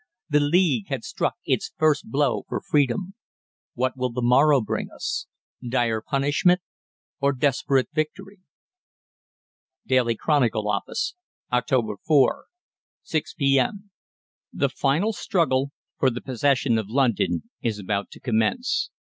The League had struck its first blow for Freedom. "What will the morrow bring us? Dire punishment or desperate victory?" "'DAILY CHRONICLE' OFFICE, "Oct. 4, 6 P.M. "The final struggle for the possession of London is about to commence.